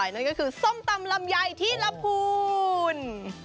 นั่นก็คือส้มตำลำไยที่ลำพูน